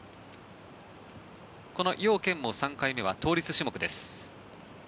このヨウ・ケンも３回目は倒立種目です。